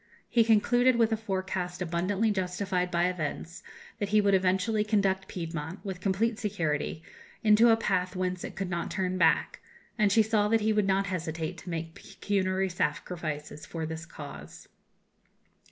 He concluded with a forecast abundantly justified by events, that he would eventually conduct Piedmont, with complete security, into a path whence it could not turn back, and she saw that he would not hesitate to make pecuniary sacrifices for this cause.